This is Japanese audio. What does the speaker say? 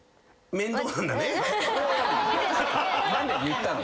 何で言ったの？